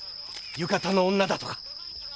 浴衣の女だとか。